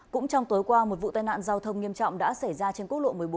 cũng trong tối qua một vụ tai nạn giao thông nghiêm trọng đã xảy ra trên quốc lộ một mươi bốn